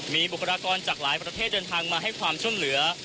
มีบุคลากรจากหลายประเทศเดินทางมาให้ความช่วยเหลือ